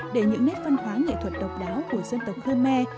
để những nét văn hóa nghệ thuật độc đáo của dân tộc khmer